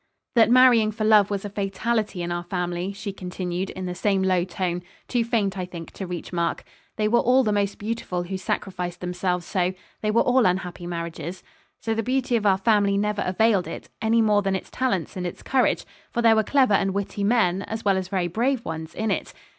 'That marrying for love was a fatality in our family,' she continued in the same low tone too faint I think to reach Mark. 'They were all the most beautiful who sacrificed themselves so they were all unhappy marriages. So the beauty of our family never availed it, any more than its talents and its courage; for there were clever and witty men, as well as very brave ones, in it.